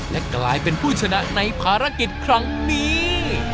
และกลายเป็นผู้ชนะในภารกิจครั้งนี้